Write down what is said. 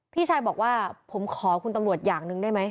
พี่ชายบอกว่าผมขอคุณตำรวจอย่างหนึ่งได้ไหม